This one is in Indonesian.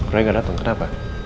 roy gak dateng kenapa